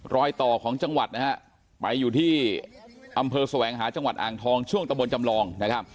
รอยต่อของจังหวัดนะฮะไปอยู่ที่อำเภอแสวงหาจังหวัดอ่างทองช่วงตะบนจำลองนะครับ